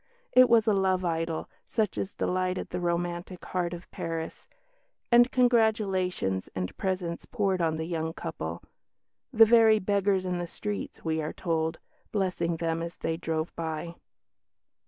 It was a love idyll such as delighted the romantic heart of Paris; and congratulations and presents poured on the young couple; "the very beggars in the streets," we are told, "blessing them as they drove by."